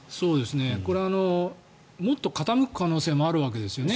これはもっと傾く可能性もあるわけですよね